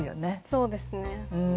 そうですね。